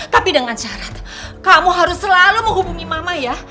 tapi dengan syarat kamu harus selalu menghubungi mama ya